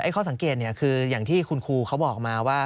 ข้อสังเกตคืออย่างที่คุณครูเขาบอกมาว่า